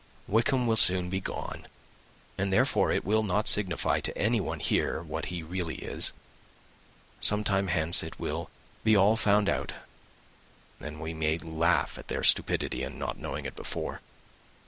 Wickham will soon be gone; and, therefore, it will not signify to anybody here what he really is. Some time hence it will be all found out, and then we may laugh at their stupidity in not knowing it before.